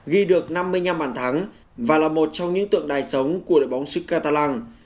ghi được năm mươi năm bàn thắng và là một trong những tượng đài sống của đội bóng sức catalang